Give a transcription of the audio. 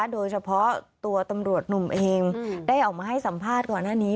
โดยเฉพาะตัวตำรวจหนุ่มเองได้ออกมาให้สัมภาษณ์ก่อนหน้านี้